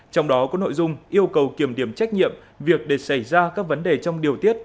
trong đó có nội dung yêu cầu kiểm điểm trách nhiệm việc để xảy ra các vấn đề trong điều tiết